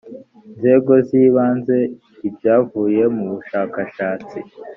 nzego z ibanze ibyavuye mu bushakashatsi